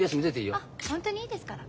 あホントにいいですから。